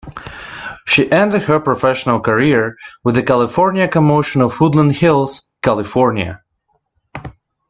She ended her professional career with the California Commotion of Woodland Hills, California.